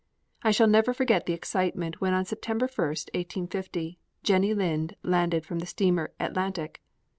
I shall never forget the excitement when on September 1st, 1850, Jenny Lind landed from the steamer "Atlantic."